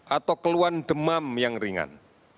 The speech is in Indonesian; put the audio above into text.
atau keluhan demam yang ringan